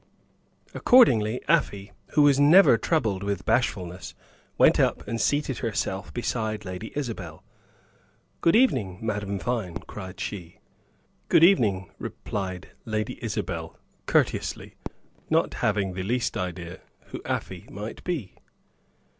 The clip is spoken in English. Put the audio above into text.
Accordingly Afy, who was never troubled with bashfulness, went up and seated herself beside Lady Isabel. "Good evening, Madame Vine," cried she. "Good evening," replied Lady Isabel, courteously, not having the least idea who Afy might be.